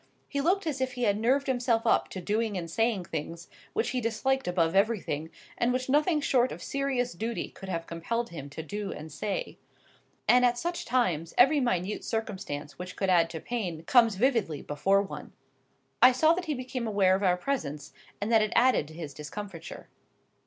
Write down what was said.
He looked as if he had nerved himself up to doing and saying things, which he disliked above everything, and which nothing short of serious duty could have compelled him to do and say. And at such times every minute circumstance which could add to pain comes vividly before one. I saw that he became aware of our presence, and that it added to his discomfiture.